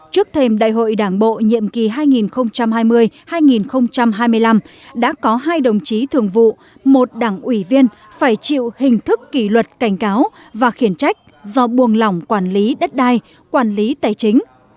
trước thêm đại hội đảng bộ nhiệm kỳ hai nghìn hai mươi hai nghìn hai mươi năm đã có hai đồng chí thường vụ một đảng ủy viên phải chịu hình thức kỷ luật cảnh cáo và khiển trách do buồng lỏng quản lý đất đai quản lý tài chính